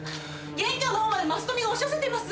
玄関の方までマスコミが押し寄せています。